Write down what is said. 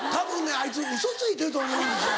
あいつウソついてると思うんです